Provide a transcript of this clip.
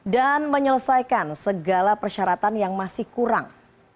dan menyelesaikan segala persyaratan yang masih kurang